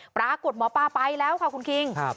ปรากฏหมอปลาไปแล้วค่ะคุณคิง